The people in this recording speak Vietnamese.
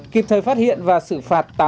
kịp thời phát hiện và xử phạt